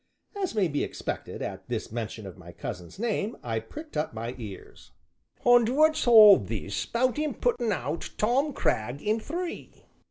As may be expected, at this mention of my cousin's name I pricked up my ears. "And what's all this 'bout him 'putting out' Tom Cragg, in three?"